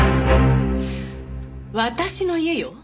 私の家よ。